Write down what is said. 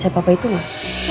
siapa itu mbak